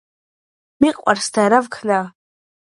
მიყვარს და რა ვქნა